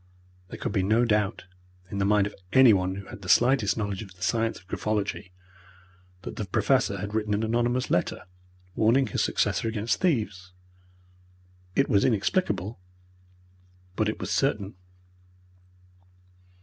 There could be no doubt, in the mind of anyone who had the slightest knowledge of the science of graphology, that the Professor had written an anonymous letter, warning his successor against thieves. It was inexplicable, but it was certain.